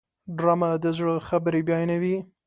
ډرامه د زړه خبرې بیانوي